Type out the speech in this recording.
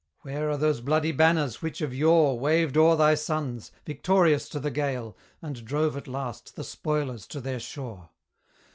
Where are those bloody banners which of yore Waved o'er thy sons, victorious to the gale, And drove at last the spoilers to their shore?